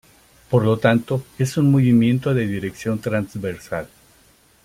Por lo tanto es un movimiento de dirección transversal.